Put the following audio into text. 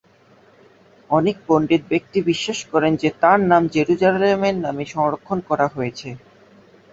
অনেক পণ্ডিত ব্যক্তি বিশ্বাস করেন যে তার নাম জেরুজালেমের নামে সংরক্ষণ করা হয়েছে।